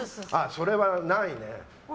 それはないね。